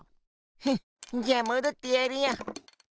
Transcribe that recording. ふんじゃあもどってやるよ。